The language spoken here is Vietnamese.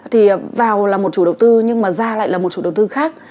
thì vào là một chủ đầu tư nhưng mà ra lại là một chủ đầu tư khác